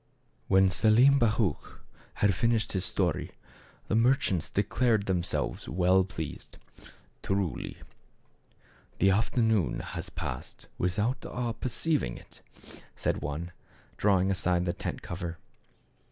When Selim Baruch had finished his story the merchants declared themselves well pleased. "Truly, the afternoon has passed without our perceiving it !" said one, drawing aside the tent . cover.